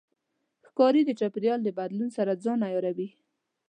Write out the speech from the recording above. ښکاري د چاپېریال د بدلون سره ځان عیاروي.